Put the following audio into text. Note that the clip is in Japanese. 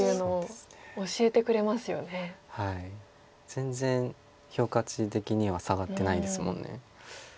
全然評価値的には下がってないですもんね。